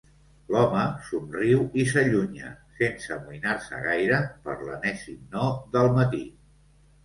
L'home somriu i s'allunya, sense amoïnar-se gaire per l'enèsim no del matí.